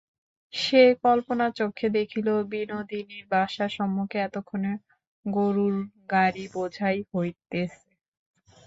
সে কল্পনাচক্ষে দেখিল, বিনোদিনীর বাসার সম্মুখেও এতক্ষণে গোরুর গাড়ি বোঝাই হইতেছে।